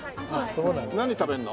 何食べるの？